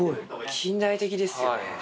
近代的ですよね。